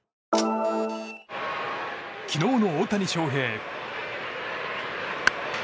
昨日の大谷翔平。